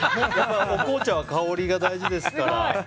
お紅茶は香りが大事ですから。